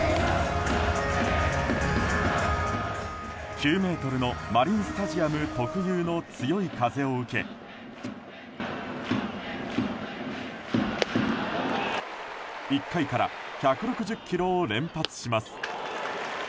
９ｍのマリンスタジアム特有の強い風を受け１回から１６０キロを連発します。